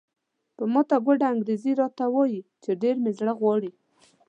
په ماته ګوډه انګریزي راته وایي چې ډېر مې زړه غواړي.